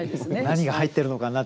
「何が入ってるのかな？」